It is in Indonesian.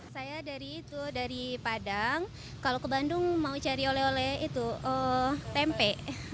saya dari padang kalau ke bandung mau cari oleh oleh itu tempe